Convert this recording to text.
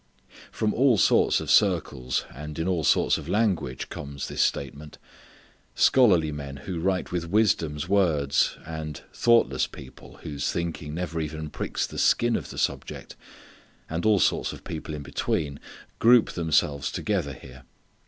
From all sorts of circles, and in all sorts of language comes this statement. Scholarly men who write with wisdom's words, and thoughtless people whose thinking never even pricks the skin of the subject, and all sorts of people in between group themselves together here.